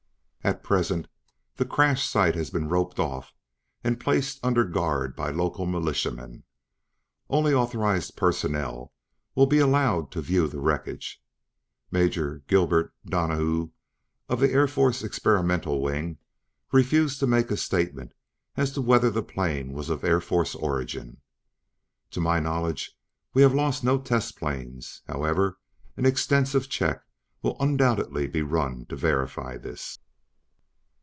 At present, the crash site has been roped off and placed under guard by local Militiamen. Only authorized personnel will be allowed to view the wreckage. Major Gilbert Donnoue, of the Air Force Experimental Wing, refused to make a statement as to whether the plane was of Air Force origin. "To my knowledge, we have lost no test planes. However, an extensive check will undoubtedly be run to verify this."